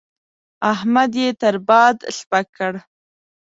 احمد يې تر باد سپک کړ.